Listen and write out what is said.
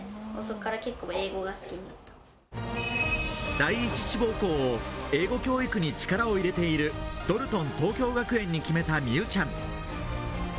第１志望校を英語教育に力を入れているドルトン東京学園に決めた美羽ちゃん。